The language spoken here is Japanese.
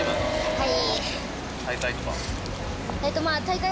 はい。